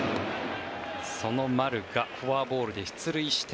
その丸がフォアボールで出塁して